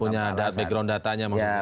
punya ada background datanya maksudnya